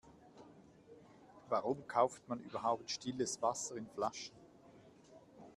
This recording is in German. Warum kauft man überhaupt stilles Wasser in Flaschen?